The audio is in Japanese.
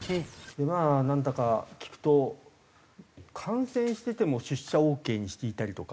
まあなんだか聞くと感染してても出社オーケーにしていたりとか。